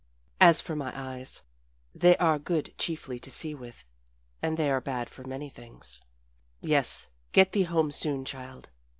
As for my eyes they are good chiefly to see with. And they are bad for many things. Yes get thee home soon, child.